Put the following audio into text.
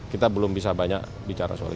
kita belum bisa banyak bicara soal ini